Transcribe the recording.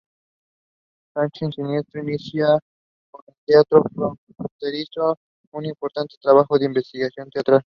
Sanchis Sinisterra inicia con Teatro Fronterizo un importante trabajo de investigación teatral.